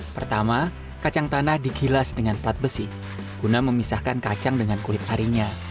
pertama kacang tanah digilas dengan plat besi guna memisahkan kacang dengan kulit arinya